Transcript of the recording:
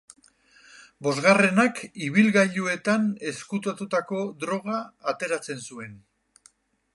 Bosgarrenak ibilgailuetan ezkutatutako droga ateratzen zuen.